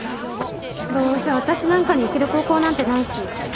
どうせ私なんかに行ける高校なんてないし